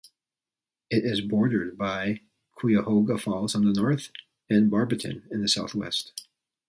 It is bordered by Cuyahoga Falls on the north, and Barberton in the southwest.